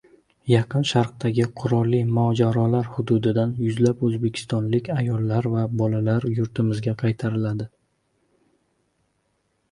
Yaqin Sharqdagi qurolli mojarolar hududidan yuzlab o‘zbekistonlik ayollar va bolalar yurtimizga qaytarildi